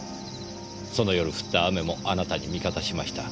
その夜降った雨もあなたに味方しました。